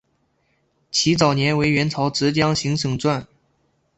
其早年为元朝浙江行省掾。